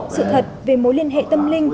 sự thật về mối liên hệ tâm linh